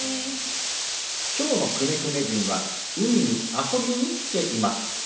きょうのくねくね人はうみにあそびにきています。